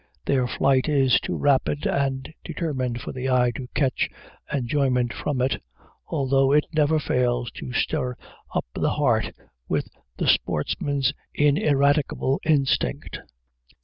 Their flight is too rapid and determined for the eye to catch enjoyment from it, although it never fails to stir up the heart with the sportsman's ineradicable instinct.